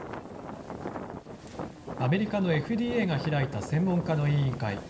アメリカのＦＤＡが開いた専門家の委員会。